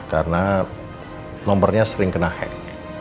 karena nomornya sering kena hack